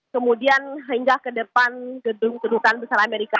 kemudian hingga ke depan gedung kedutaan besar amerika